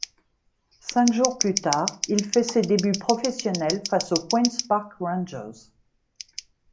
Cinq jours plus tard, il fait ses débuts professionnels face aux Queens Park Rangers.